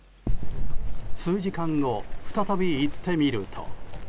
数時間後、再び行ってみると。